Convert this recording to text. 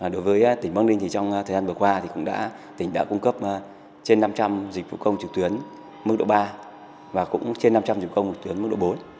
đối với tỉnh bắc ninh trong thời gian vừa qua tỉnh đã cung cấp trên năm trăm linh dịch vụ công trực tuyến mức độ ba và trên năm trăm linh dịch vụ công trực tuyến mức độ bốn